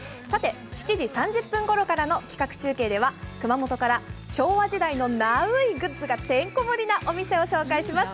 ７時３０分頃からの企画中継は熊本から昭和時代のナウいグッズがてんこ盛りなお店を紹介します。